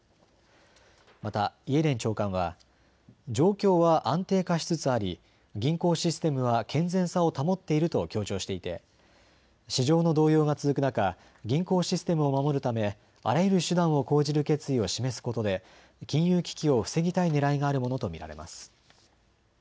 またイエレン長官は状況は安定化しつつあり銀行システムは健全さを保っていると強調していて市場の動揺が続く中、銀行システムを守るためあらゆる手段を講じる決意を示すことで金融危機を防ぎたいねらいがあるものと見られます。